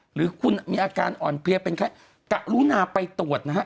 หรือคุณมีอาการอ่อนเพลียเป็นใครกะรุนาไปตรวจนะฮะ